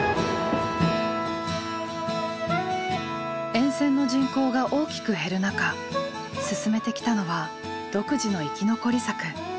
沿線の人口が大きく減る中進めてきたのは独自の生き残り策。